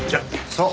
そう。